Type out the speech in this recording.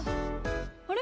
あれ？